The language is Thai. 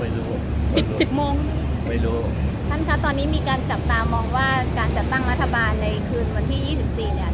สิบเจ็ดโมงไม่รู้ท่านคะตอนนี้มีการจับตามองว่าการจัดตั้งรัฐบาลในคืนวันที่ยี่สิบสี่เนี้ย